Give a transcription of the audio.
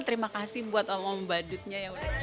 terima kasih buat omong badutnya